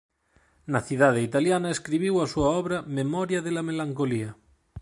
Na cidade italiana escribiu a súa obra "Memoria de la melancolía".